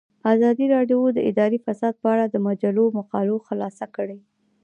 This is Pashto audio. ازادي راډیو د اداري فساد په اړه د مجلو مقالو خلاصه کړې.